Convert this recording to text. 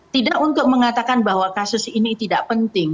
tidak untuk mengatakan bahwa kasus ini tidak penting